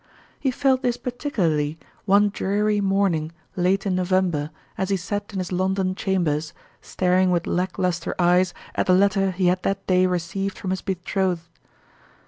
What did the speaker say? He felt this particularly one dreary morn ing, late in November, as he sat in his London chambers, staring with lack luster eyes at the letter he had that day received from his be trothed.